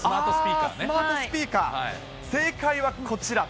スマートスピーカー、正解はこちら。